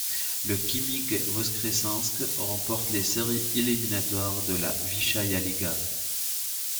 Le Khimik Voskressensk remporte les séries éliminatoires de la Vyschaïa Liga.